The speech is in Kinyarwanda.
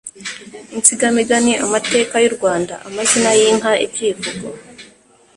insigamigani, amateka y'u Rwanda, amazina y'inka, ibyivugo